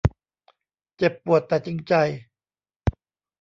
เจ็บปวดแต่จริงใจ